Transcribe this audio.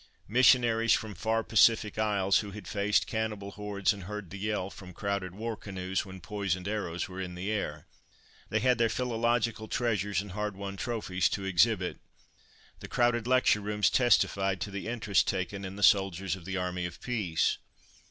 Missionaries from far Pacific Isles, who had faced cannibal hordes, and heard the yell from crowded war canoes, when poisoned arrows were in the air. They had their philological treasures and hard won trophies to exhibit. The crowded lecture rooms testified to the interest taken in the soldiers of the Army of Peace.